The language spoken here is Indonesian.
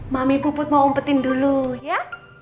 mami puput mau umpetin dulu ya